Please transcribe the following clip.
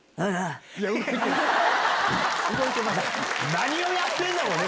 何をやってんだろうね